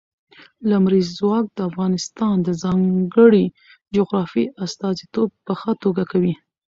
لمریز ځواک د افغانستان د ځانګړي جغرافیې استازیتوب په ښه توګه کوي.